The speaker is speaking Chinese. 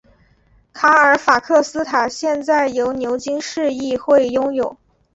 卡尔法克斯塔现在由牛津市议会拥有。